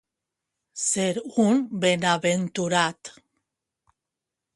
Ser un benaventurat.